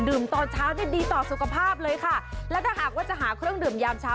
ตอนเช้านี่ดีต่อสุขภาพเลยค่ะและถ้าหากว่าจะหาเครื่องดื่มยามเช้า